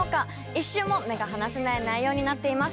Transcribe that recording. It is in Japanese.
一瞬も目が離せない内容になっています。